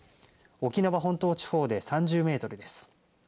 沖縄本島地方で３０メートルです。